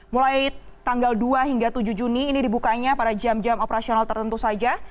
mulai tanggal dua hingga tujuh juni ini dibukanya pada jam jam operasional tertentu saja